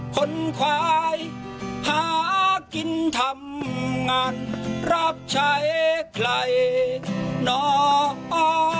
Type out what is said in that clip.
คนควายหากินทำงานรับใช้ใครนอกอ